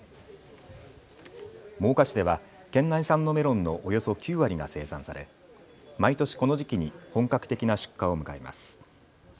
真岡市では県内産のメロンのおよそ９割が生産され毎年この時期に本格的な出荷を迎えます。